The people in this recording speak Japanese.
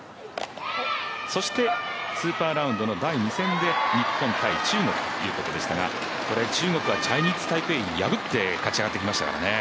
そして、スーパーラウンドの第２戦で日本×中国ということでしたがこれ、中国はチャイニーズ・タイペイ破って勝ち上がってきましたからね。